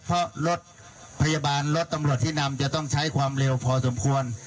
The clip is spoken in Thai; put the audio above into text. เพราะรถพยาบาลรถตำรวจที่นำจะต้องใช้ความเร็วพอสมควร